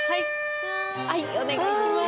はいお願いします。